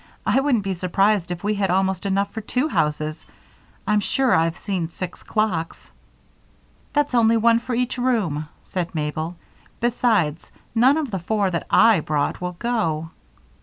"I wouldn't be surprised if we had almost enough for two houses. I'm sure I've seen six clocks." "That's only one for each room," said Mabel. "Besides, none of the four that I brought will go."